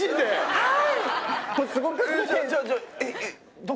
はい！